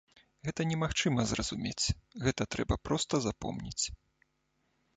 Гэта немагчыма зразумець, гэта трэба проста запомніць.